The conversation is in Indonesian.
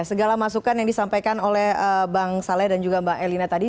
segala masukan yang disampaikan oleh bang saleh dan juga mbak elina tadi